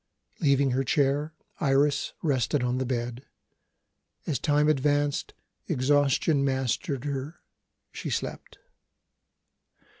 Leaving her chair, Iris rested on the bed. As time advanced, exhaustion mastered her; she slept.